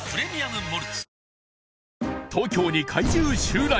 東京に怪獣襲来